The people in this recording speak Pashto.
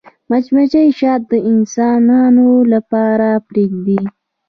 مچمچۍ شات د انسانانو لپاره پرېږدي